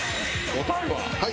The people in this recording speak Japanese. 答えは。